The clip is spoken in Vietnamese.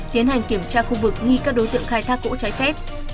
tiến hành kiểm tra khu vực nghi các đối tượng khai thác gỗ trái phép